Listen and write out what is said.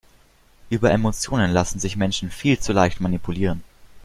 Über Emotionen lassen sich Menschen viel zu leicht manipulieren.